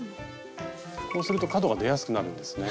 こうすると角が出やすくなるんですね。